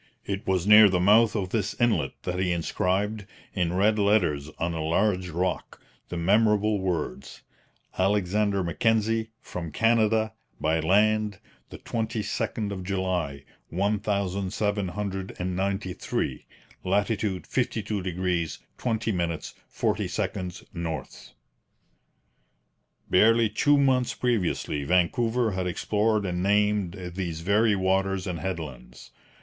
It was near the mouth of this inlet that he inscribed, in red letters on a large rock, the memorable words: '_Alexander Mackenzie, from Canada, by land, the twenty second of July, one thousand seven hundred and ninety three. Lat. 52° 20' 48" N._' Barely two months previously Vancouver had explored and named these very waters and headlands.